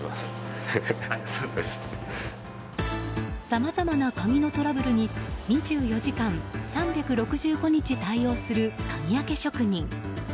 さまざまな鍵のトラブルに２４時間、３６５日対応する鍵開け職人。